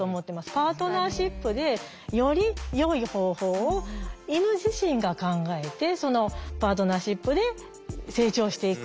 パートナーシップでよりよい方法を犬自身が考えてそのパートナーシップで成長していく。